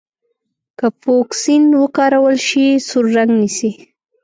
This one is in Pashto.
که فوکسین وکارول شي سور رنګ نیسي.